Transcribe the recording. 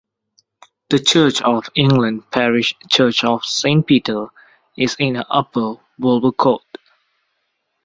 The Church of England parish church of Saint Peter is in Upper Wolvercote.